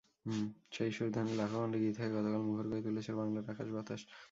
সেই সুরধ্বনি লাখো কণ্ঠে গীত হয়ে গতকাল মুখর করে তুলেছিল বাংলার আকাশ-বাতাস।